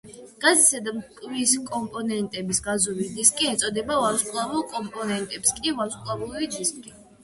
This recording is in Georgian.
გაზისა და მტვრის კომპონენტებს გაზური დისკი ეწოდება, ვარსკვლავურ კომპონენტებს კი ვარსკვლავური დისკი.